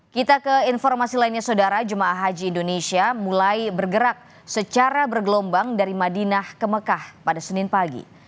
kita ke informasi lainnya saudara jemaah haji indonesia mulai bergerak secara bergelombang dari madinah ke mekah pada senin pagi